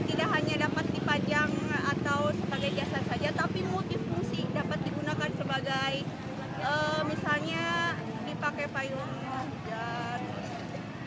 tidak hanya dapat dipajang atau sebagai jasa saja tapi motif fungsi dapat digunakan sebagai misalnya dipakai payung